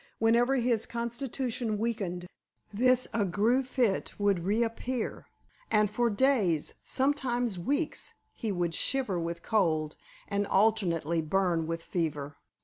Whenever his constitution weakened, this ague fit would reappear, and for days, sometimes weeks, he would shiver with cold, and alternately burn with fever.